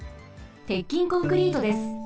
鉄筋コンクリートです。